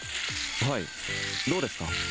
はいどうですか？